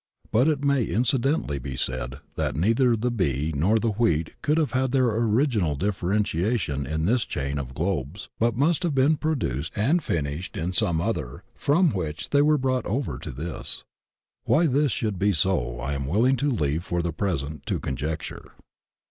But it may incidentally be said that neither the bee nor the wheat could have had their original differentiation in this chain of globes, but must have been produced and finished in some other from which they were brought over into this. Why this should be so I am willing to leave for the present to conjecture.